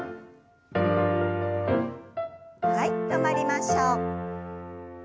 はい止まりましょう。